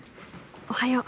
おはよう。